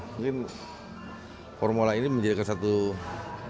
mungkin formula e ini menjadi satu hal